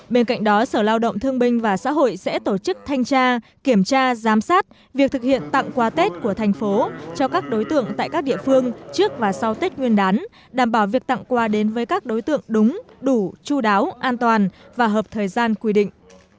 bên cạnh đó sở lao động thương binh và xã hội sẽ tổ chức thanh tra kiểm tra giám sát việc thực hiện tặng quà tết của thành phố cho các đối tượng tại các địa phương trước và sau tết nguyên đán đảm bảo việc tặng quà đến với các đối tượng đúng đủ chú đáo an toàn và hợp thời gian quy định